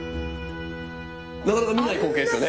なかなか見ない光景ですよね。